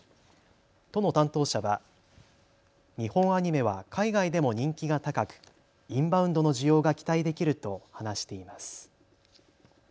都の担当者は日本アニメは海外でも人気が高くインバウンドの需要が期待できると話しています。